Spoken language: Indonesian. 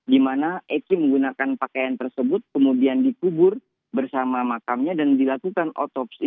di mana eci menggunakan pakaian tersebut kemudian dikubur bersama makamnya dan dilakukan otopsi